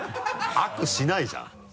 握手しないじゃん。